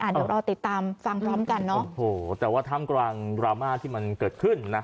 เดี๋ยวรอติดตามฟังพร้อมกันเนอะโอ้โหแต่ว่าท่ามกลางดราม่าที่มันเกิดขึ้นนะ